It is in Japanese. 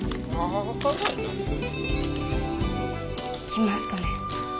きますかね？